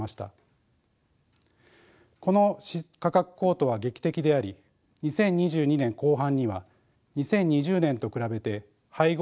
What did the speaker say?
この価格高騰は劇的であり２０２２年後半には２０２０年と比べて配合